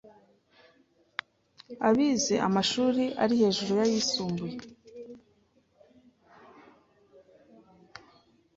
abize amashuri ari hejuru y’ayisumbuye